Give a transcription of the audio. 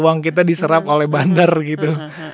uang kita diserap oleh bandar gitu